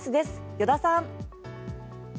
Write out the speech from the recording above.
依田さん。